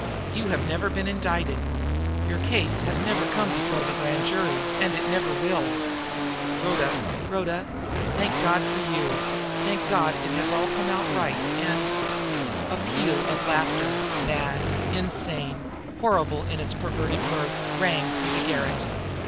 You have never been indicted. Your case has never come before the grand jury. And it never will now! Rhoda! Rhoda! Thank God for you! Thank God it has all come out right, and " A peal of laughter, mad, insane, horrible in its perverted mirth, rang through the garret.